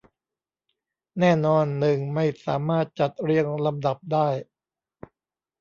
แน่นอน หนึ่งไม่สามารถจัดเรียงลำดับได้